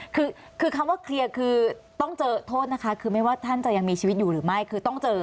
คือคือคำว่าเคลียร์คือต้องเจอโทษนะคะคือไม่ว่าท่านจะยังมีชีวิตอยู่หรือไม่คือต้องเจอ